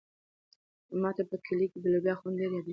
ما ته په کلي کې د لوبیا خوند ډېر یادېږي.